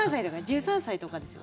１３歳とかですよ。